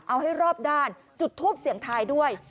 เอาให้รอบด้านจุดทูปเสียงทายด้วย